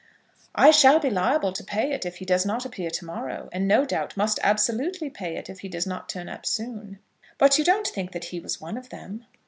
"I shall be liable to pay it if he does not appear to morrow, and no doubt must absolutely pay it if he does not turn up soon." "But you don't think that he was one of them?"